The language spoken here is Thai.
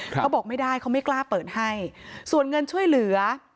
เขาบอกไม่ได้เขาไม่กล้าเปิดให้ส่วนเงินช่วยเหลือ